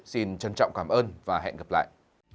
xin trân trọng cảm ơn và hẹn gặp lại